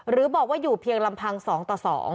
หรือบอกว่าอยู่เพียงลำพัง๒ต่อ๒